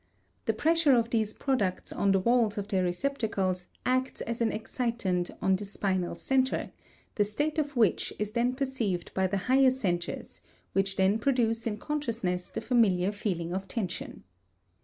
The pressure of these products on the walls of their receptacles acts as an excitant on the spinal center, the state of which is then perceived by the higher centers which then produce in consciousness the familiar feeling of tension.